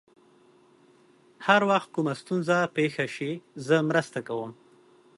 هر وخت کومه ستونزه پېښ شي، زه مرسته کوم.